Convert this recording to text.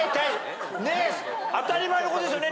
当たり前のことですよね。